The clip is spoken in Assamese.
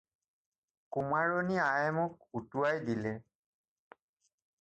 কুমাৰণী আয়ে মোক উটুৱাই দিলে।